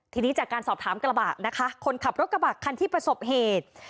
ทีนี้จากการสอบถามกระบะนะคะคนขับรถกระบะคันที่ประสบเหตุ